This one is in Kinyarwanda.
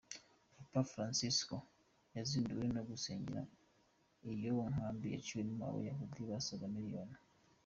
Papa Francisco yazinduwe no gusengera iyo nkambi yiciwemo Abayahudi basaga miliyoni.